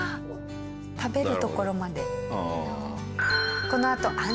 食べるところまで。